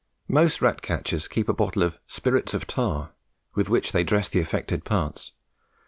Most rat catchers keep a bottle of spirits of tar, with which they dress the affected parts.